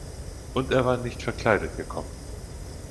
Und er war nicht verkleidet gekommen.